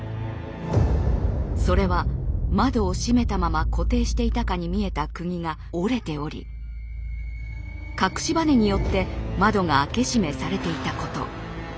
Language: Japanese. それは窓を閉めたまま固定していたかに見えたくぎが折れており隠しバネによって窓が開け閉めされていたこと。